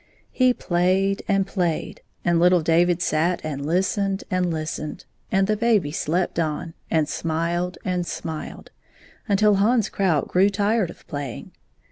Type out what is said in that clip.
He played and played, and little David sat and hstened and listened, and the baby slept on and smiled and smiled, until Hans Krout grew tired of playing.